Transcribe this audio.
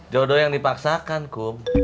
jodoh yang dipaksakan kum